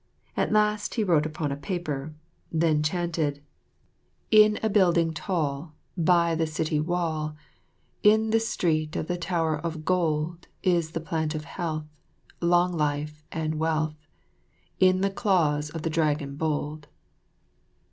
At last he wrote upon a paper, then chanted: "In a building tall, by the city wall, In the street of the Tower of Gold, Is the plant of health, long life and wealth, In the claws of the Dragon bold."